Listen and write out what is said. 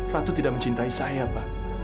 ratu tidak mencintai saya pak